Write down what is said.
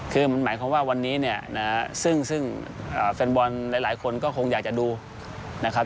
คือหมายความว่าวันนี้เนี่ยนะฮะซึ่งแฟนบอลหลายคนก็คงอยากจะดูนะครับ